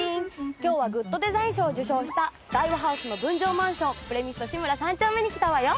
今日はグッドデザイン賞を受賞した大和ハウスの分譲マンションプレミスト志村三丁目に来たわよ。